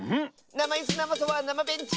なまイスなまそばなまベンチ！